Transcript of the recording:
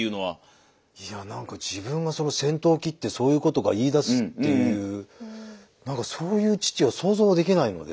いや何か自分がその先頭を切ってそういうことが言いだすっていう何かそういう父を想像できないので。